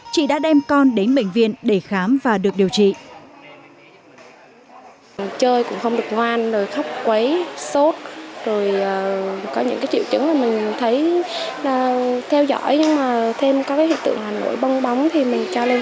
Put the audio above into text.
chị đã đem con đến bệnh viện để khám và được điều trị